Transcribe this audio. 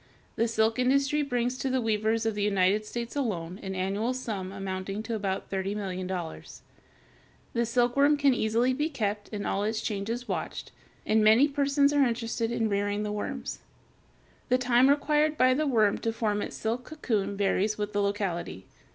The silk industry brings to the weavers of the United States alone an annual sum amounting to about $30,000,000. The silkworm can easily be kept and all its changes watched, and many persons are interested in rearing the worms. The time required by the worm to form its silk cocoon varies with the locality.